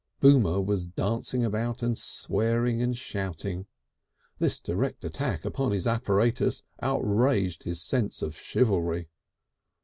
Boomer was dancing about and swearing and shouting; this direct attack upon his apparatus outraged his sense of chivalry.